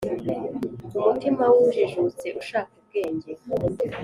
umutima w’ujijutse ushaka ubwenge